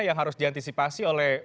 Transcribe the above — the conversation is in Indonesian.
yang harus diantisipasi oleh